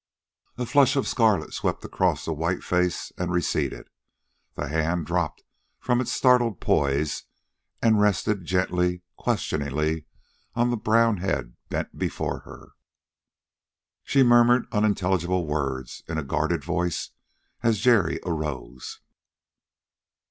A flush of scarlet swept across the white face and receded. The hand dropped from its startled poise and rested, gently, questioningly, on the brown head bent before her. She murmured unintelligible words in a guarded voice as Jerry arose.